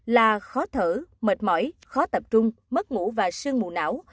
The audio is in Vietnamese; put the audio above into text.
là khó thở mệt mỏi khó tập trung mất ngủ và sương mù não